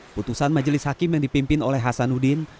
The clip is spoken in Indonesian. putusan majelis hakim yang dipimpin oleh hasan udin